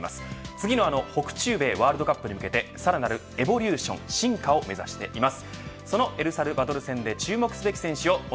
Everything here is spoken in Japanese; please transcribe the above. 次の北中米ワールドカップに向けて、さらなるエボリューション、進化を目指しています。